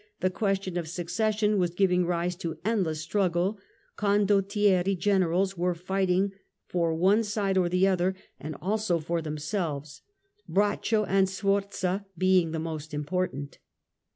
the question of succession was giving rise to endless struggle, condottieri generals were fighting for one side or the other and also for themselves — Braccio and Sforza being the most important.